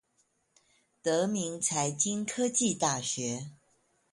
德明財經科技大學